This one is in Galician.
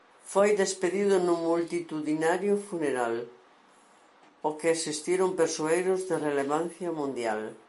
Foi despedido nun multitudinario funeral ao que asistiron persoeiros de relevancia mundial.